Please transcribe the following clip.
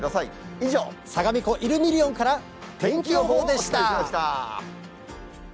以上、相模湖イルミリオンから天気予報でした。